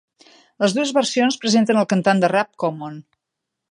Les dues versions presenten el cantant de rap Common.